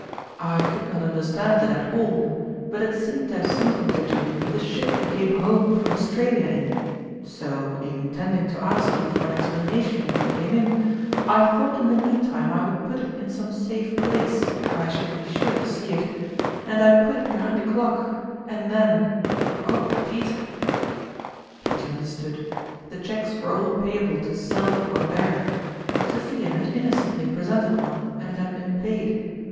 I could not under stand it at all, but it seemed to have something to do with the ship you came home from Aus tralia in ; so, intending to ask you for an ex planation when you came in, I thought in the mean time I would put it in some safe place where I should be sure to see it, and I put it behind the clock ; and then oh, Peter ! Peter understood. The cheques were all payable to " self or bearer." Sophia had inno cently presented one, and it had been paid.